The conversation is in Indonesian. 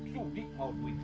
sudik mau duit